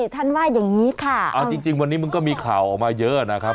ท่านว่าอย่างนี้ค่ะเอาจริงวันนี้มันก็มีข่าวออกมาเยอะนะครับ